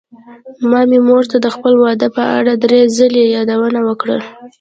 ما مې مور ته د خپل واده په اړه دری ځلې يادوونه وکړه.